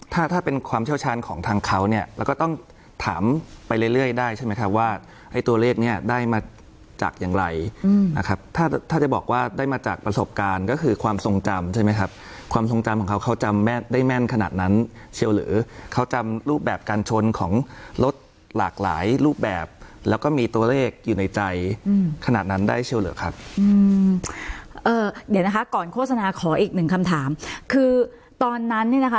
ถ้าเป็นความเชี่ยวชาญของทางเขาเนี่ยแล้วก็ต้องถามไปเรื่อยได้ใช่ไหมคะว่าตัวเลขนี้ได้มาจากอย่างไรนะครับถ้าจะบอกว่าได้มาจากประสบการณ์ก็คือความทรงจำใช่ไหมครับความทรงจำของเขาได้แม่นขนาดนั้นเชี่ยวหรือเขาจำรูปแบบการชนของรถหลากหลายรูปแบบแล้วก็มีตัวเลขอยู่ในใจขนาดนั้นได้เชี่ยวหรือครับเดี๋ยว